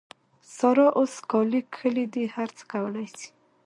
سارا اوس کالي کښلي دي؛ هر څه کولای سي.